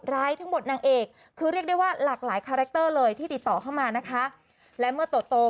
ทั้งหมดนางเอกคือเรียกได้ว่าหลากหลายคาแรคเตอร์เลยที่ติดต่อเข้ามานะคะและเมื่อโตโต